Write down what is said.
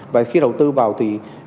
và khi đầu tư vào thì